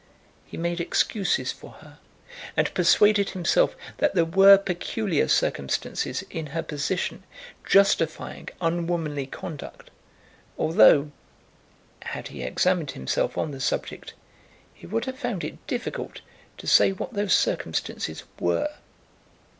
He made excuses for her, and persuaded himself that there were peculiar circumstances in her position justifying unwomanly conduct, although, had he examined himself on the subject, he would have found it difficult to say what those circumstances were.